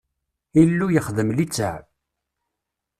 Illu yexdem litteɛ.